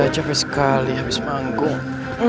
capek sekali habis manggung